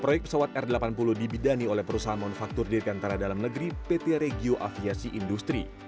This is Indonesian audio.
proyek pesawat r delapan puluh dibidani oleh perusahaan manufaktur dirgantara dalam negeri pt regio aviasi industri